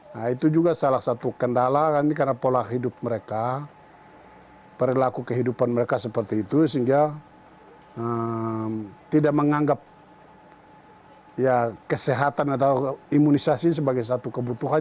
nah itu juga salah satu kendala karena pola hidup mereka perilaku kehidupan mereka seperti itu sehingga tidak menganggap kesehatan atau imunisasi sebagai satu kebutuhan